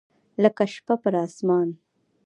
لکه شپه پر اسمان